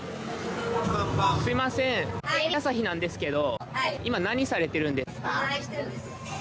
すいませんテレビ朝日なんですけど。